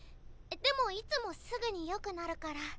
でもいつもすぐによくなるから。